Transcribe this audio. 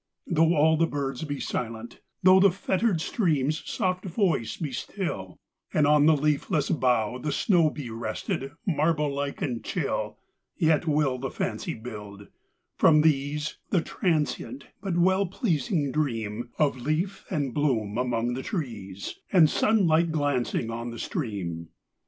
Though all the birds be silent,—thoughThe fettered stream's soft voice be still, And on the leafless bough the snowBe rested, marble like and chill,—Yet will the fancy build, from these, The transient but well pleasing dreamOf leaf and bloom among the trees, And sunlight glancing on the stream.